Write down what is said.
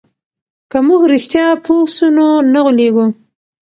که موږ رښتیا پوه سو نو نه غولېږو.